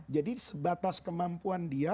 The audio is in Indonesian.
jadi sebatas kemampuan dia